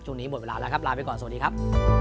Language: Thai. หมดเวลาแล้วครับลาไปก่อนสวัสดีครับ